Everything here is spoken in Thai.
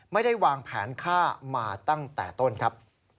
ไม่ได้วางแผนฆ่ามาตั้งแต่ต้นครับ